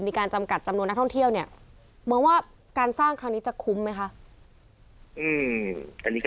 จำกัดจำนวนนักท่องเที่ยวเนี่ยมองว่าการสร้างครั้งนี้จะคุ้มไหมคะ